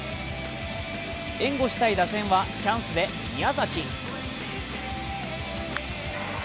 援護したい打線はチャンスで宮崎。